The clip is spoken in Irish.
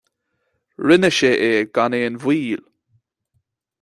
Rinne sé é gan aon mhoill.